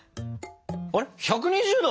あれ１２０℃？